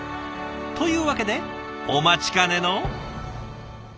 というわけでお待ちかねの。